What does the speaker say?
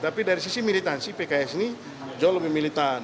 tapi dari sisi militansi pks ini jauh lebih militan